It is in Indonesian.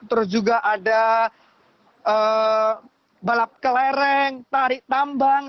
terus juga ada balap kelereng tarik tambang